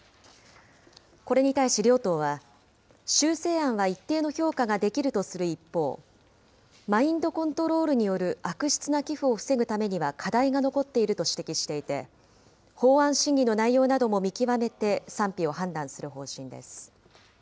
これに対し両党は、修正案は一定の評価ができるとする一方、マインドコントロールによる悪質な寄付を防ぐためには課題が残っていると指摘していて、法案審議の内容なども見極めて賛否を判断する方針です。